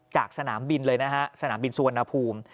จากสนามบินสุวรรณภูมิ